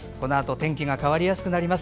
天気が変わりやすくなります。